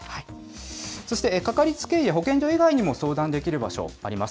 そして、かかりつけ医や保健所以外にも相談できる場所、あります。